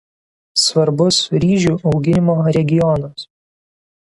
Svarbus ryžių auginimo regionas.